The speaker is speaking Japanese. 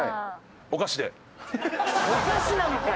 お菓子なのかよ！